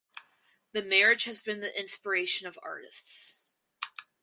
The marriage has been the inspiration of artists.